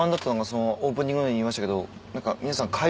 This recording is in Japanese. オープニングに言いましたけど。